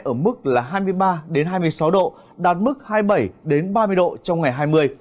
chưa chiều mai ở mức là hai mươi ba hai mươi sáu độ đạt mức hai mươi bảy ba mươi độ trong ngày hai mươi